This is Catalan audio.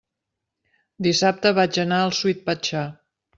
Dissabte vaig anar al Sweet Pachá.